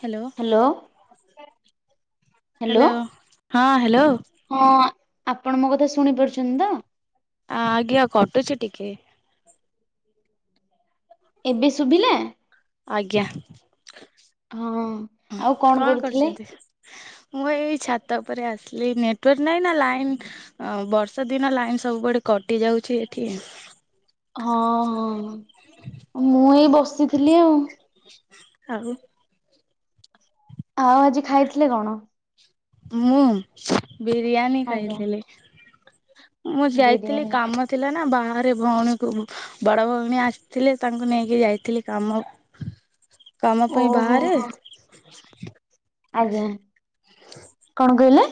Hello hello hello hello ହଁ hello. ହଁ ଆପଣ ମୋ କଥା ଶୁଣି ପାରୁଛନ୍ତି ତ? ଆ ଆଜ୍ଞା କଟୁଛି ଟିକେ। ଏବେ ଶୁଭିଲା? ଆଜ୍ଞା। ହଁ ଆଉ କଣ କରୁଥିଲେ? କରୁଛନ୍ତି? ମୁଁ ଏଇ ଛାତ ଉପରେ ଆସିଲି ନେଟୱାର୍କ ନାଇଁ ନା ଲାଇନ୍ ବର୍ଷ ଦିନ ଲାଇନ୍ ସବୁବେଡ କଟି ଯାଉଛି ଏଠି। ହଁ ହଁ ମୁଁ ଏଇ ବସିଥିଲି ଆଉ। ହଉ। ଆଉ ଆଜି ଖାଇଥିଲେ କଣ? ମୁଁ ବିରିୟାନୀ ଆଜ୍ଞା ଖାଇଥିଲି। ମୁଁ ଯାଇଥିଲି ବିରିୟାନୀ କାମ ଥିଲା ନା ବାହାର ଘରେ ଭଉଣୀକୁ ବଡ ଭଉଣୀ ଆସିଥିଲେ। ତାଙ୍କୁ ନେଇକି ଯାଇଥିଲି କାମ କାମ ପାଇଁ ଓହୋ ବାହାରେ। ହୋ ଆଜ୍ଞା। କଣ କହିଲେ?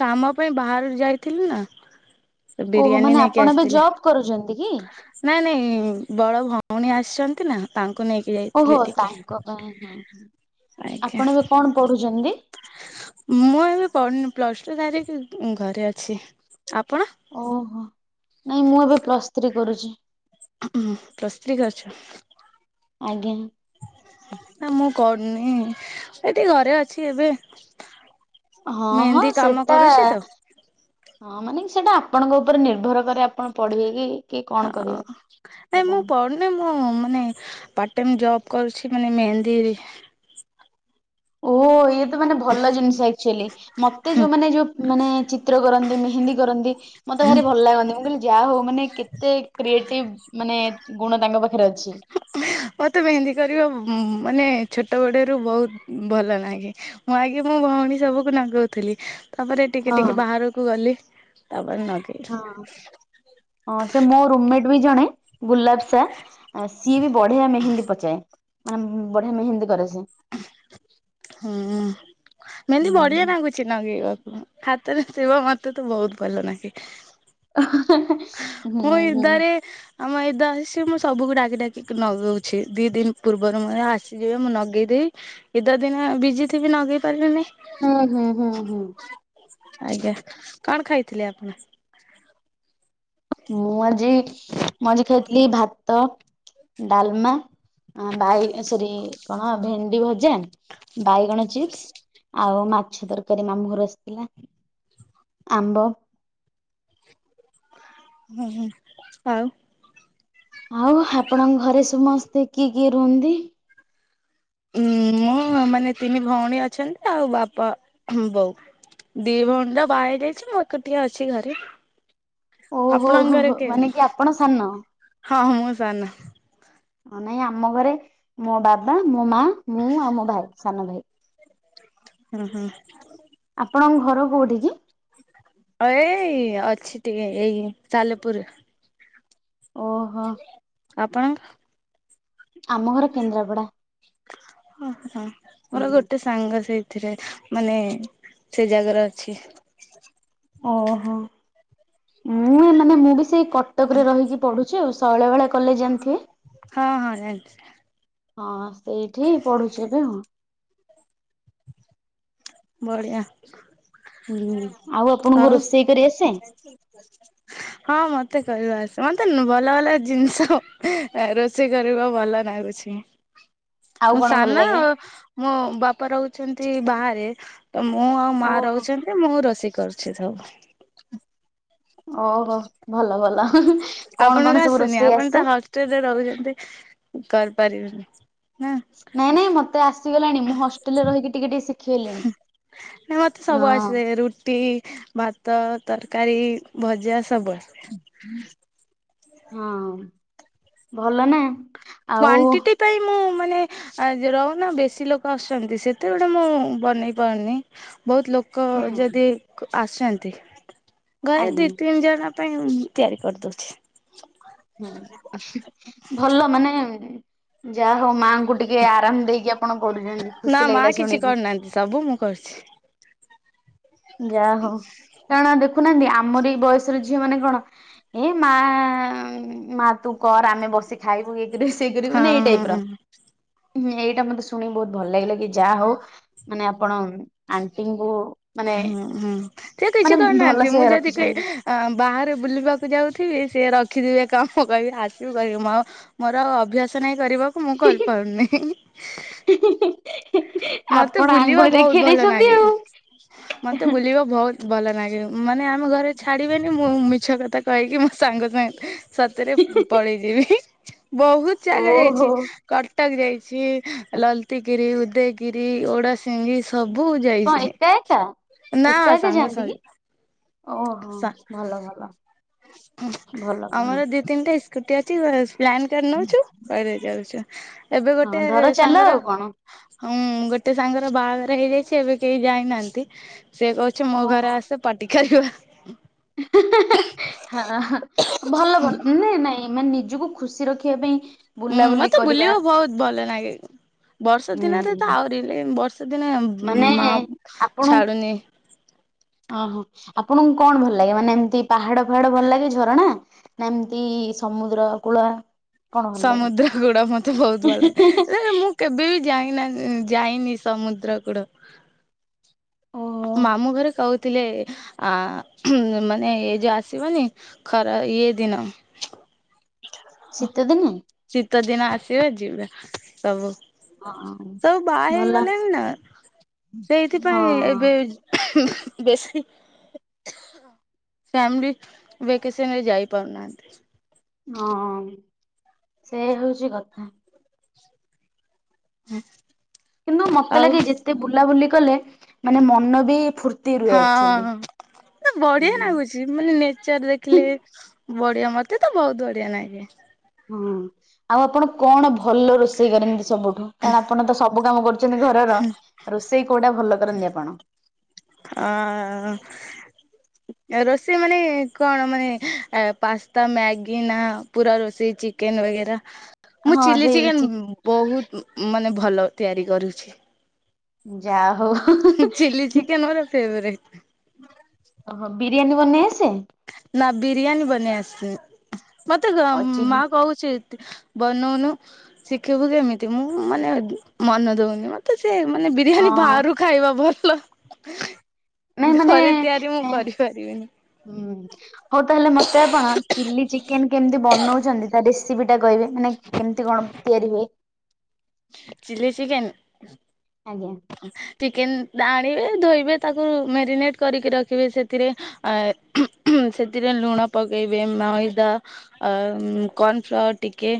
କାମ ପାଇଁ ବାହାରୁ ଯାଇଥିଲି ନା। ସେ ଓହୋ ବିରିୟାନୀ ମାନେ ନେଇକି ଆପଣ ଏବେ ଆସିଥିଲେ। ଜବ୍ କରୁଛନ୍ତି କି? ନାଇଁ ନାଇଁ। ବଡ ଭଉଣୀ ଆସିଛନ୍ତି ନା। ତାଙ୍କ କ ନେଇକି ଓହୋ ଯାଇଥିଲି ଟିକେ ତାଙ୍କ ପାଇଁ ହଁ ଆଜ୍ଞା। ଆପଣ ଏବେ କଣ ପଢୁଛନ୍ତି? ମୁଁ ଏବେ ପଢନି ପ୍ଲସ ଟୁ ତାରିଖ ଘରେ ଅଛି। ଆପଣ ଓହୋ ନାଇଁ ମୁଁ ଏବେ ପ୍ଲସ୍ ଥ୍ରୀ କରୁଛି। ହଁ ପ୍ରସ୍ତ୍ରୀ କରିଛ। ଆଜ୍ଞା। ନଁ ଏ ଟିକି ଘରେ ଅଛି ଏବେ। ହଁ ହଁ ମେହେନ୍ଦୀ କାମ ସେଟା କରୁଛି ତ ହଁ ମାନେ ସେଇଟା ଆପଣଙ୍କ ଉପରେ ନିର୍ଭର କରେ ଆପଣ ପଢିବେ କିି? ହଁ ଆ ମୁଁ ପଢୁନେଇ। ହଁ ମାନେ ପାର୍ଟ ଟାଇମ୍ ଜବ୍ କରୁଛି। ମାନେ ମେହେନ୍ଦି ଓହ ଇଏ ତ ମାନେ ଭଲ ଜିନିଷ ଆକ୍ଚୁଆଲି। ମତେ ଯୋଉମାନେ ଯୋଉ ମାନେ ଚିତ୍ର କରନ୍ତି। ମେହେନ୍ଦୀ କରନ୍ତି। ମତେ ଭାରି ଭଲ ଲାଗନ୍ତି। ମୁଁ କହିଲି ଯାହା ହଉ ମାନେ ମାନ କେତେ କ୍ରିଏଟିଭ ମାନେ ଗୁଣ ତାଙ୍କ ପାଖରେ ଅଛି। ମତେ ମେହନ୍ଦି କରିବ ମାନେ ଛୋଟ ବଡରୁୁ ବହୁତ ଭଲ ନାଗେ। ମୁଁ ଆଗେ ମୋ ଭଉଣୀ ସବୁକୁ ନାଗଉଥିଲି। ତାପରେ ଟିକେ ହଁ ଟିକେ ବାହାରକୁ ଗଲି। ତାପ ହଁ ହଁ ସେ ମୋ ରୁମମେଟ୍ ବି ଜଣେ ଗୁଲାପ୍ସା ସିଏ ବି ବଢିଆ ମେହେନ୍ଦୀ ପଚାଏ। ମାନେ ବଢିଆ ମେହେନ୍ଦୀ କରେ ସେ। ହୁଁ ମେମିତି ବଢିଆ ହୁଁ। ନାଗୁଛି ନଗେଇବାକୁ। ହାତରେ ଥିବ ମତେ ତ ବହୁତ ଭଲ ନାଗେ। ହୁଁ ମୁଁ ହୁଁ ଗିରିଧାରୀ ଆମ ଏଇଦ ଆସିଛି ମୁଁ ସବୁକୁ ଡାକି ଡାକି ନଗଉଛି। ଦି ଦିନ ପୂର୍ବରୁ ମୁ ଆସିଯିବେ ମୁଁ ନଗେଇଦବି। ଏ ଦ ଦିନ ବିଜି ଥିବି ନଗେଇ ପାରିବିନି। ହୁଁ ହୁଁ ହୁଁ ହୁଁ। ଆଜ୍ଞା କଣ ଖାଇଥିଲେ ଆପଣ? ମୁଁ ଆଜି ମୁଁ ଆଜି ଖାଇଥିଲି ଭାତ ଡାଲମା ବାଇ ସରି କଣ ଭେଣ୍ଡି ଭଜା ବାଇଗଣ ଚିପ୍ସ୍। ଆଉ ମାଛ ତରକାରୀ ମାମୁଁ ଘରୁ ଆସିଥିଲା। ଆମ୍ବ। ଉଁ ହୁଁ ଆଉ? ଆଉ ଆପଣଙ୍କ ଘରେ ସମସ୍ତେ କିଏ କିଏ ରୁହନ୍ତି? ଉଁ ମୁଁ ମାନେ ତିନି ଭଉଣୀ ଅଛନ୍ତି। ଆଉ ବାପା ବୋଉ। ଦି ଭଣ୍ଡା ବାହାଇ ଯାଇଛି। ମୁଁ ଏକୁଟିଆ ଅଛି ଘରେ। ଓହୋ ଆପଣଙ୍କ ହୋ ଘରେ ହୋ କିଏ? ମାନେ କି ଆପଣ ସାନ ହଁ ମୁଁ ସାନ। ହଁ ନାଇଁ ଆମ ଘରେ ମୋ ବାବା ମୋ ମା ମୁଁ ଆଉ ମୋ ଭାଇ ସାନ ଭାଇ। ଉଁ ହୁଁ। ଆପଣଙ୍କ ଘର କୋଉଠି କି? ଏଇ ଅଛି ଟିକେ ଏଇ ସାଲେପୁରରେ। ଓହୋ ଆପଣଙ୍କ। ଆମ ଘର କେନ୍ଦ୍ରାପଡା। ଓହୋ ମୋର ଗୋଟେ ସାଙ୍ଗ ସେଇଥିରେ। ମାନେ ସେ ଜାଗାରେ ଅଛି। ଓହୋ ମୁଁ ମାନେ ମୁଁ ବି ସେଇ କଟକରେ ରହିକି ପଢୁଛି ଆଉ ଶୈଳବାଳା କଲେଜ୍ ଜାଣିଥିବେ? ହଁ ହଁ ଜାଣିଛି। ହଁ ସେଇଠି ପଢୁଛି ଏବେ ମୁଁ। ବଢିଆ। ହୁଁ ଆପଣଙ୍କୁ ଆଉ ରୋଷେଇ କରି ଆସେ ହଁ ମ ମତେ କହିବ ଆସ ମତେ ନୁ ଭଲ ଭଲ ଜିନିଷ ଅ ରୋଷେଇ କରିବାକୁ ଭଲ ନାଗୁଛି। ଆଉ ମୁଁ କଣ ଭଲ ସାନ ଲାଗେ? ମୋ ବାପା ରହୁଛନ୍ତି ବାହାରେ। ତ ମୁଁ ଆଉ ମା ଓହୋ ରହୁଛନ୍ତି ମୁଁ ରୋଷେଇ କରୁଛି ସବୁ। ଓହୋ ଭଲ ଭଲ ହଁ ହଁ କଣ କଣ ସବୁ ରୋଷେଇ ଆସେ? ଦେ କରିପାରିବିନି। ନାଇଁ ନାଇଁ ମତେ ଆସିଗଲାଣି ମୁଁ ହଷ୍ଟେଲରେ ରହିକି ଟିକେ ଟିକେ ଶି ହୁଁ ନାଇ ମତେ ସବୁ ହଁ। ଆସେ ରୁଟି, ଭାତ। ତରକାରୀ, ଭଜା ସବୁ ଆସେ। ହଁ ଭଲ ନା। ଆଉ କ୍ଲାଣ୍ଟିଟି ପାଇଁ ମୁଁ। ମାନେ ଆ ଯେ ରହୁନ ବେଶୀ ଲୋକ ଆସୁଛନ୍ତି ସେତେବେଳେ ମୁଁ ବନେଇ ପାରୁନି। ବହୁତ ଲୋକ ହୁଁ ଯଦି କ ଆସୁଛନ୍ତି ଘରେ ଆଜ୍ଞା ଦି ତିନି ଜଣ। ପାଇଁ ଉଁ ତିଆରି କରିଦଉଛି। ହୁଁ ଉ ହୁଁ ଭଲ ମାନେ। ଯାହା ହଉ ମାଆଙ୍କୁ ଟିକେ ଆରାମ ଦେଇକି ଆପଣ କରୁଛନ୍ତି ନା ଖୁସି ମା ଲାଗିଲା କିଛି ଶୁଣିକି। କରୁନାହାନ୍ତି ସବୁ ମୁଁ କରୁଛି ଯାହାହଉ କାରଣ ଦେଖ ଦେଖୁନାହାନ୍ତି ଆମରି ବୟସର ଝିଅ ମାନେ କଣ ଏ ମା ମା ତୁ କର ଆମେ ବସି ଖାଇବୁ ଇଏ କରିବୁ ସିଏ କରିବୁ ମାନେ ଏଇ ଟାଇପ ହଁ। ର। ହୁଁ ଏଇଟା ମତେ ଶୁଣିକି ବହୁତ ଭଲ ଲାଗିଲା କି ଯାହା ହଉ ମାନେ ଆପଣ ଉଁ ଆଣ୍ଟିଙ୍କୁ। ମାନେ ହୁଁ ହୁଁ। ସେ କିଛି ମାନେ କରୁନାହାନ୍ତି ଭଲସେ ମୁଁ ଯଦି କୁହେ ରଖିଛନ୍ତି। ଅ ବାହାରେ ବୁଲିବାକୁ ଯାଉଥିବି ସେ ର ରଖିଥିବେ କାମ କହିବେ ଆସିବୁ କରିବୁ ମ ମୋର ଆଉ ଅଭ୍ୟାସ ନାଇଁ କରିବା ମୁଁ କରିପାରୁନି ହି ହି। ମତେ ଆପଣ ବୁଲିବା ଆଙ୍ଗୁଳି ବହୁତ ଦେଖେଇ ଭଲ ଦେଇଛନ୍ତି ନାଗେ ଆଉ। ମତେ ବୁଲିବା ବହୁ ତ ଭଲ ନାଗେ ମାନେ ଆମ ଘରେ ଛାଡିବେନି ମୁଁ ମିଛ କଥା କହିକି ମୋ ସାଙ୍ଗ ସାଙ୍ଗେ। ସତରେ ଉଁ ପଳେଇଯିବି ହିଁ। ବହୁତ ଜାଗା ଯାଇଛି ଓହୋ କଟକ ଯାଇଛି ଲଳିତ ଗିରି ଉଦୟଗିରି ଓଡାସିିଙ୍ଗି ସ ବହୁତ କଣ ଯାଇଛି ଏକା ଏକା? ନା ଏକା ଏକା ସାଙ୍ଗ ଯାଆନ୍ତି କି? ସହେ। ଓହୋ ସା ଭଲ ଭଲ ଉଁ ଭଲ ଭଲ। ଆମର ଦି ତିନିଟା ଏଇ ସ୍କୁଟି ଅଛି ବାସ। ପ୍ଲାନ୍ କରିନଉଛୁ ତଇରେ ଯାଉଛୁ। ଏବେ ହଁ ଗୋଟେ ଧର ଚାଲ ସାଙ୍ଗର। ଆଉ କଣ ହୁଁ ଗୋଟେ ସାଙ୍ଗର ବାହାଘର ହେଇଯାଇଛି ଏବେ କେହି ଯାଇନାହାନ୍ତି। ସେ କହୁଛି ମୋ ଓହୋ। ଘରେ ଆସେ ପାଟି କରିବା। ହଁ ଭଲ ଭଲ ନାଇଁ ନାଇଁ ମାନେ ନିଜକୁ ଖୁସି ରଖିବା ପାଇଁ ହୁଁ ବୁଲାବୁଲି ମତେ କରିବା ବୁଲିବା ବହୁତ ଭଲ ଲାଗେ ବର୍ଷା ଦିନରେ ତ ହୁଁ ଆହୁରି ବର୍ଷା ସେଦିନେ ମାନେ ମା ଆପଣ ଛାଡୁନି। ଓହୋ ଆପଣଙ୍କୁ କଣ ଭଲ ଲାଗେ ମାନେ ଏମତି ପାହାଡ ଫାହାଡ ଭଲ ଲାଗେ ଝରଣା ନା ଏମତି ସମୁଦ୍ର କୁଳ ସମୁଦ୍ର ଗୁଡା ମତେ ବହୁତ ଭଲ ଲାଗେ ହେ ମୁଁ କେବେ ବି ଯାଇନା ଯାଇନି ସମୁଦ୍ର କୁଳ ଓ ମାମୁଁ ଘରେ କହୁଥିଲେ ଆ ମାନେ ଏଇ ଯୋଉ ଆସିବନି ଖରାପ ଇ ଦିନ ଶୀତଦିନେ ସତ ଦିନ ଆସିବା ଯିବା ସବୁ ହଁ ସବୁ ବାହା ଭଲ ହେଇଗଲେଣି ନା ହଁ ସେଇଥିପାଇଁ ବେଶି ଫ୍ୟାମିଲି ଭେକେସନରେ ଯାଇ ପାରୁନାହାନ୍ତି। ହଁ ସେ ହଉଛି କଥା ହୁଁ। କିନ୍ତୁ ମତେ ଲାଗେ ଯେତେ ବୁଲାବୁଲି କଲେ ମାନେ ମନ ବି ଫୁର୍ତ୍ତି ରୁହେ ହଁ ଆକ୍ଚୁଆଲି ବଢିଆ ଲାଗୁଛି ମାନେ ନେଚର ହୁଁ ଦେଖିଲେ ବଢିଆ ମତେ ତ ବହୁତ ବଢିଆ ଲାଗେ ହୁଁ ଆଉ ଆପଣ କଣ ଭଲ ରୋଷେଇ କରନ୍ତି ସବୁଠୁ କାରଣ ଆପଣ ତ ସବୁ କାମ କରୁଛନ୍ତି ଘରର ରୋଷେଇ ସେଇ କୋଉଟା ଭଲ କରନ୍ତିି ଆପଣ? ହଁ। ରୋଷେଇ ମାନେ କଣ ମାନେ ପାସ୍ତା ମ୍ୟାଗି ନା ପୁରା ରୋଷେଇ ଚିକେନ ହୁଏ। ମୁଁ ହଁ ସେଇ ଚିଲିଚିକେନ୍ ଚି ବହୁତ ମାନେ ଭଲ ତିଆରି କରୁଛି। ଯା ହଉ ଚିଲି ଚିକେନ ମୋର ଫେବରେଟ ଓହୋ ବିରିୟାନୀ ବନେଇ ଆସେ? ନା ବିରିୟାନୀ ବନେଇ ଆସିନି ମତେ ଅଛି ମା କହୁଛି ବନଉନୁ ଶିଖିବୁ କେମିତି ମୁଁ ମାନେ ମନ ଦଉନି ମତେ ସେ ମାନେ ବିରିୟାନୀ ହଁ ବାହାରୁ ଖାଇବା ଭଲ। ନାଇଁ ମାନେ ଘରେ ତିଆରି ମୁଁ ହୁଁ କରିପାରିବିନି ହଉ ତାହେଲେ ମତେ ଆପଣ ଚିଲି ଚିକେନ କେମିତି ବନଉଛନ୍ତି ତା ରେସିପି ଟା କହିବେ? ମାନେ କେମିତି କଣ ତିଆରି ହୁଏ। ଚିଲ୍ଲି ଚିକେନ୍ ଆଜ୍ଞା। ଚିକେନ୍ ଆଣିବେ ଧୋଇବେ ତାକୁ ମ୍ୟାରିନେଟ୍ କରିକି ରଖିବେ ସେଥିରେ ସେଥିରେ ଲୁଣ ପକେଇବେ ମଇଦା କର୍ଣ୍ଣ ଫ୍ଲାୱାର ଟିକେ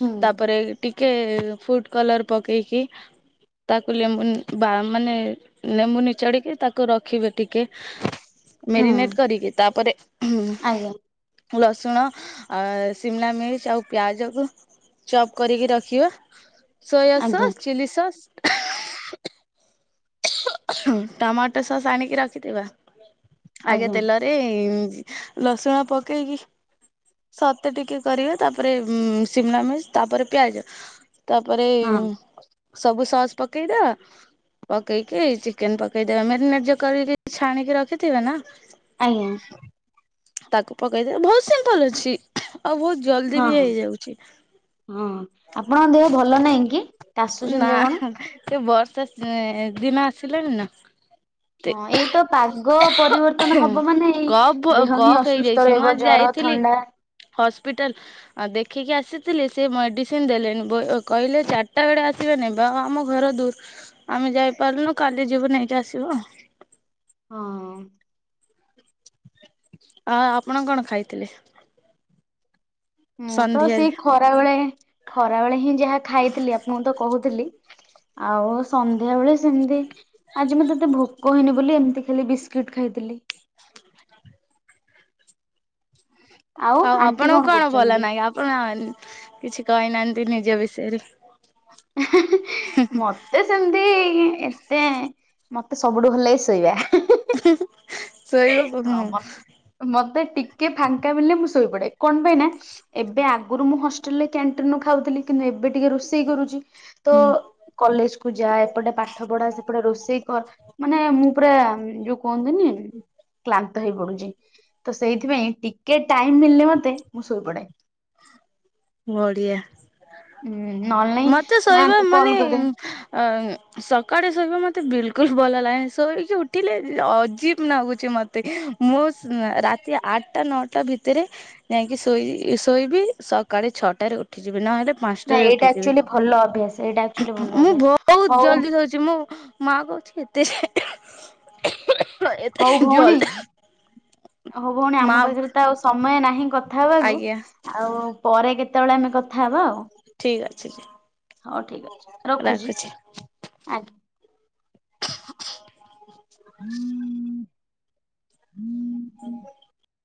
ହୁଁ ତାପରେ ଟିକେ ଫୁଡ କଲର ପକେଇକି ତାକୁ ଲେମ୍ବୁ ବା ମାନେ ଲେମ୍ବୁ ନିଚଡିକି ତାକୁ ରଖିବେ ଟିକେ ହୁଁ ମେରିନେଟ କରିିକି ତାପରେ ଆଜ୍ଞା ଲସୁଣ ସିମଲା ମିରିଚ ଆଉ ପିଆଜ କ ଚପ୍ କରିକି ରଖି କିିବା ସୋୟା ଆଜ୍ଞା ସସ୍ ଚିଲିସସ୍ [unintelligible] ଟମାଟୋ ସସ୍ ଆଣିକି ରଖିଥିବା। ଆଗେ ଆଜ୍ଞା ତେଲରେ ଲସୁଣ ପକେଇକି ସତେ ଟିକେ କରିବା ତାପରେ ସିମନା ମିରିଚ ତାପରେ ପିଆଜ ତାପରେ ହଁ ସବୁ ସସ୍ ପକେଇଦବା ପକେଇକି ଚିକେନ ପକେଇଦବା ମ୍ୟାରିନେଟ ଯ କରିକି ଛାଣିକି ରଖିଥିବେ ନା ଆଜ୍ଞା ତାକୁ ପକେଇଦବା ବହୁତ ସିମ୍ପଲ ଅଛି ଆଉ ବହୁତ ଜଲଦି ହଁ ବି ହଁ। ହେଇଯାଉଛି। ହଁ ଆପଣଙ୍କ ଦେହ ଭଲ ନାହିଁ କି ନା କାସୁଛନ୍ତି ଆପଣ? ସେ ବର୍ଷା ସି-ଇ-ଇ-ଇ ଦିନ ଆସିଲାଣି ନା। ହଁ ଏଇତ ପାଗ ପରିବର୍ତ୍ତନ ହବ ମାନେ ଏଇ କପ୍ ଦେହ ହିଁ କପ୍ ହେଇଯାଇଛି ଅସୁସ୍ଥ ମୁଁ ରହିବ ଆଜି ଜର ଯାଇଥିଲି ଥଣ୍ଡା ହସ୍ପିଟାଲ ଦେଖିକି ଆସିଥିଲି ସେ ମେଡି ସିନ ଦେଲେନି ବୋ କହିଲେ ଚାରିଟା ବେଳେ ଆସିବେ ନେବ ଆ-ଆ ଆମ ଘର ଦୂର ଆମେ ଯାଇପାରୁନୁ କା କାଲି ଯିବୁ ନେଇକି ଆସିବୁ। ହଁ। ଆ ଆପଣ କଣ ଖାଇଥିଲେ? ମୁଁ ତ ସନ୍ଧ୍ୟାରେ ସେଇ ଖରାବେଳେ ଖରାବେଳେ ହିଁ ଯାହା ଖାଇଥିଲି ଆପଣଙ୍କୁ ତ କହୁଥିଲି। ଆଉ ସନ୍ଧ୍ୟାବେଳେ ସେମିତି ଆଜି ମୁଁ ମତେ ଏତେ ଭୋକ ହେଇନି ବୋଲି ଏମିତି ଖାଲି ବିସ୍କିଟ ଖାଇଥିଲି। [inaudible] ଆଉ ଆପଣଙ୍କୁ କଣ ଭଲ ନାହିଁ ଆପଣ ଆ କିଛି କହିନାହାନ୍ତି ନିଜ ବିଷୟରେ। ହିଁ ହିଁ ହିଁ ମତେ ସେମିତି-ଇ-ଇ ଏତେ ମତେ ସବୁଠୁ ଭଲଲାଗେ ଶୋଇବା। ହିଁ ହିଁ ଶୋଇବାକୁ ହଁ ହୁଁ। ମତେ ମତେ ଟିକେ ଫାଙ୍କା ମିଳିଲେ ମୁଁ ଶୋଇ ପଡେ କଣ ପାଇଁ ନା ଏବେ ଆଗରୁ ମୁଁ ହଷ୍ଟେଲରେ କ୍ୟାଣ୍ଟିନରୁ ଖାଉଥିଲି କିନ୍ତୁ ମୁଁ ଏବେ ଟିକେ ରୋଷେଇ କରୁଛି। ତ କଲେଜ କୁ ଯା ଏପଟେ ପାଠ ପଢା ସେପଟେ ରୋଷେଇ କର ମାନେ ମୁଁ ପୁରା ଯୋଉ କୁହନ୍ତିନି କ୍ଲାନ୍ତ ହେଇ ପଡୁଛି ତ ସେଇଥିପାଇଁ ଟିକେ ଟାଇମ ମିଳିଲେ ମତେ ମୁଁ ଶୋଇପଡେ। ବଢିଆ। ଉଁ ନହେଲେ ନାଇଁ ମତେ ଶୋଇବା ମାଙ୍କୁ ମାନେ କଲ୍ କରେ ଅ ସକାଳେ ଶୋଇବା ମତେ ବିଲ କୁଲ ଭଲ ଲାଗେନି ଶୋଇକି ଉଠିଲେ ଅ ଅଜୀବ ଲାଗୁଛି ମତେ ମୁଁ ରାତି ଆ ଆଠଟା ନଅଟା ଭିତରେ ଯାଇଁକି ଶୋଇ ଶୋଇବି ସକାଳେ ଛଅଟାରେ ଉଠିଯିବି ନହେଲେ ନା ପାଞ୍ଚଟାରେ ଏଇଟା ଉଠେ। ଆକ୍ଚୁଆଲି ଭଲ ଅଭ୍ୟାସ ଏଇଟା ଆକ୍ଚୁଆଲି ଭଲ ମୁଁ ଅଭ୍ୟାସ ବହୁତ ହଉ ଜଲଦି ଶୋଉଛି ମୁଁ ମା କହୁଛି [unintelligible] ହଉ ଭଉଣୀ ଜଲଦି ହଉ ଭଉଣୀ ମା ଆମ ପାଖରେ ତ ଆଉ ସମୟ ନାହିଁ କଥା କଥା ଆଜ୍ଞା ହବାକୁ ଆଉ ପରେ କେତେବେଳେ ଆମେ କଥା ହବା ଆଉ। ଠିକ ଅଛି ହଉ ଠିକ ଅଛି ରଖୁଛି ଆଜ୍ଞା। [inaudible] ହୁଁ ହୁଁ [inaudible]